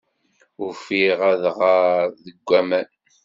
Ufiɣ adɣer deg waman.